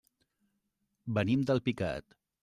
Venim d'Alpicat.